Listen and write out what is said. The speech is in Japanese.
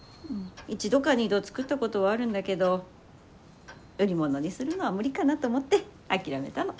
一度か二度作ったことはあるんだけど売り物にするのは無理かなと思って諦めたの。